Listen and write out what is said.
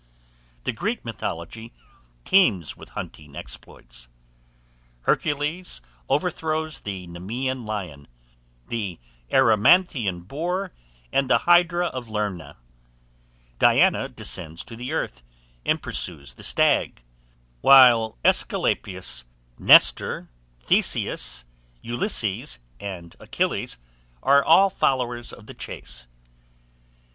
The Greek mythology teems with hunting exploits. Hercules overthrows the Nemaean lion, the Erymanthean boar, and the hydra of Lerna; Diana descends to the earth, and pursues the stag; whilst Aesculapius, Nestor, Theseus, Ulysses, and Achilles are all followers of the chase.